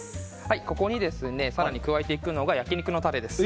ここに更に加えていくのが焼き肉のタレです。